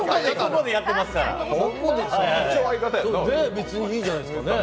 別にいいじゃないですかね。